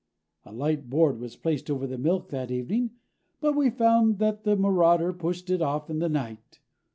A light board was placed over the milk that evening, but we found that the marauder pushed it off in the night.